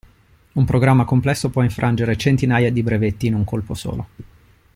Un programma complesso può infrangere centinaia di brevetti in un colpo solo.